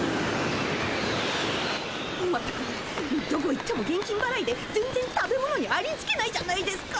全くどこ行っても現金ばらいで全然食べ物にありつけないじゃないですか。